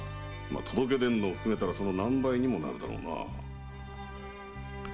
届け出ぬのを含めたらその何倍にもなるだろうな。